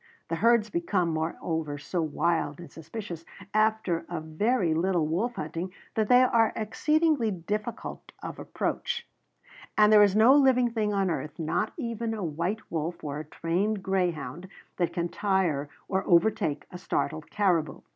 The herds become, moreover, so wild and suspicious after a very little wolf hunting that they are exceedingly difficult of approach; and there is no living thing on earth, not even a white wolf or a trained greyhound, that can tire or overtake a startled caribou.